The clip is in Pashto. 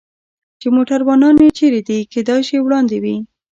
چې موټروانان یې چېرې دي؟ کېدای شي وړاندې وي.